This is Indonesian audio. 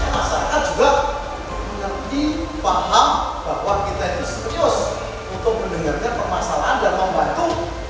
masyarakat juga harus dipahami bahwa kita serius untuk mendengarkan permasalahan dan membantu masalah organisasi